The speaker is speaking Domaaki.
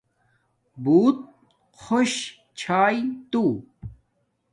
بوت خوش چھاݵݵ تو